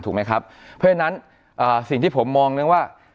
ถูกไหมครับเพราะฉะนั้นอ่าสิ่งที่ผมมองเนี่ยว่า